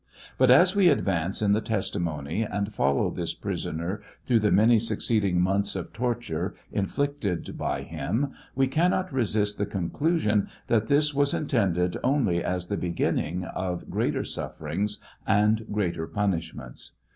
But as we advance in the testimony and follow this prisoner through the many succeeding months of torture inflicted by him, we cannot resist the conclusitfn that this was intended only as the begin ning of greater sufferings and greater punishments.